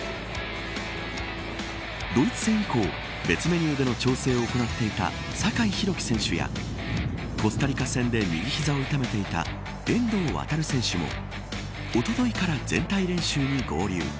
ドイツ戦以降、別メニューでの調整を行っていた酒井宏樹選手やコスタリカ戦で右膝を痛めていた遠藤航選手もおとといから全体練習に合流。